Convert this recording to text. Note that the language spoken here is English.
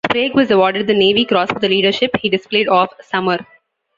Sprague was awarded the Navy Cross for the leadership he displayed off Samar.